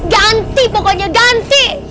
ganti pokoknya ganti